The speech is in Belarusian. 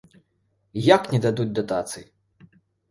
Як не дадуць датацый?!